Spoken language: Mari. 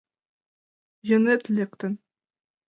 Йӧнет лектын.